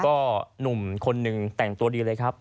ก็หนุ่มคนหนึ่งแต่งตัวดีเลยครับ